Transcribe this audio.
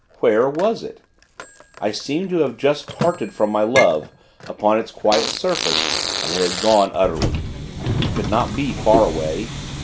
Where was it? I seemed to have but just parted from my Love, upon its quiet surface, and it had gone, utterly. It could not be far away!